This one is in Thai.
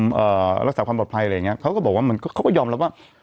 เอ่อรักษาความปลอดภัยอะไรอย่างเงี้เขาก็บอกว่ามันก็เขาก็ยอมรับว่า